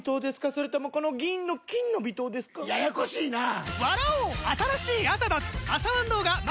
それともこの銀の「金の微糖」ですか？ややこしいなぁ！